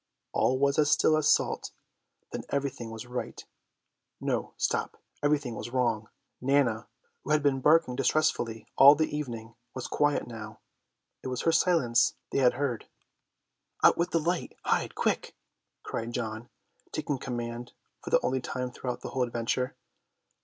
All was as still as salt. Then everything was right. No, stop! Everything was wrong. Nana, who had been barking distressfully all the evening, was quiet now. It was her silence they had heard. "Out with the light! Hide! Quick!" cried John, taking command for the only time throughout the whole adventure.